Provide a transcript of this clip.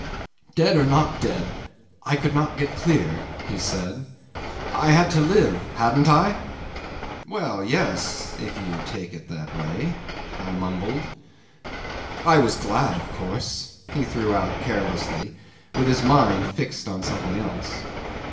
'"Dead or not dead, I could not get clear," he said. "I had to live; hadn't I?" '"Well, yes if you take it in that way," I mumbled. '"I was glad, of course," he threw out carelessly, with his mind fixed on something else.